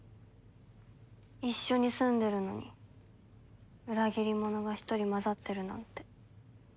一緒に住んでるのに裏切り者が１人交ざってるなんて。